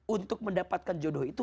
untuk mendapatkan jodoh itu